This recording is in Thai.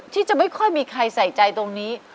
ที่จะไม่ค่อยมีใครใส่ใจตรงนี้